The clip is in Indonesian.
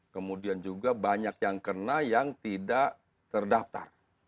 kemudian juga banyak yang kena yang tidak terdaftar